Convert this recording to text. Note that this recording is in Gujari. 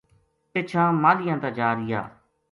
پِچھاں ماہلیاں تا جارہیا